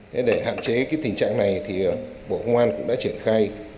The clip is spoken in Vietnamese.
thế để hạn chế cái tình trạng này thì bộ công an cũng đã triển khai